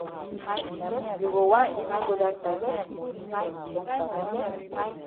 You go wan even go dat side sef tin dem strong pass.